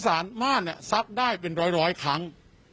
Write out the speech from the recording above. สามารถซักได้เป็นร้อยครั้ง